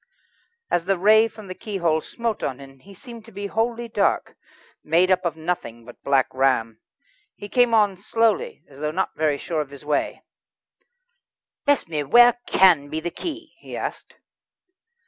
As the ray from the keyhole smote on him he seemed to be wholly dark, made up of nothing but Black Ram. He came on slowly, as though not very sure of his way. "Bless me! where can be the key?" he asked.